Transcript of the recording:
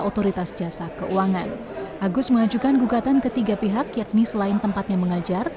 otoritas jasa keuangan agus mengajukan gugatan ketiga pihak yakni selain tempatnya mengajar